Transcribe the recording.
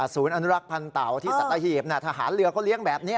อนุรักษ์พันธ์เต่าที่สัตหีบทหารเรือเขาเลี้ยงแบบนี้